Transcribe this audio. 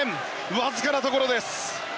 わずかなところです。